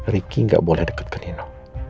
riki gak boleh deket ke nino